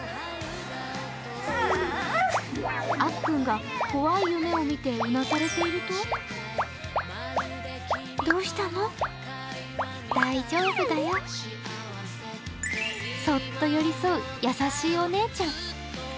あっくんが怖い夢を見てうなされているとそっと寄り添う、優しいお兄ちゃん。